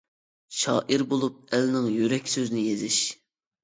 شائىر بولۇپ ئەلنىڭ يۈرەك سۆزىنى يېزىش.